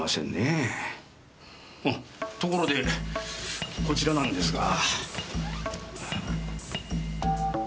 あっところでこちらなんですが。